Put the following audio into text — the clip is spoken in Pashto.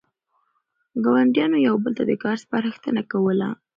ګاونډیانو یو بل ته د کار سپارښتنه کوله.